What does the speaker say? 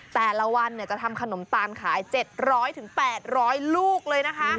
แต่ละวันจะทำขนมตาลขาย๗๐๐๘๐๐ลูกเลยนะคะ